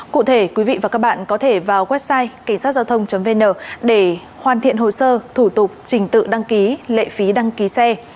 cụ thể quý vị và các bạn có thể vào website ksg vn để hoàn thiện hồ sơ thủ tục trình tự đăng ký lệ phí đăng ký xe